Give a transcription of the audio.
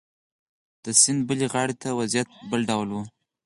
د سیند بلې غاړې ته وضعیت بل ډول و.